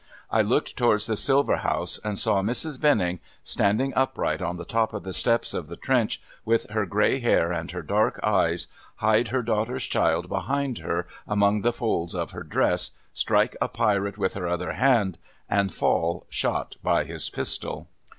I looked towards the silver house, and saw Mrs. Venning — standing upright on the top of the steps of the trench, with her gray hair and her dark eyes — hide her daughter's child behind her, among the folds of her dress, strike a pirate with her other hand, and fall, shot by his pistol.